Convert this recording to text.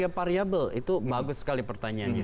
ada tiga variable itu bagus sekali pertanyaannya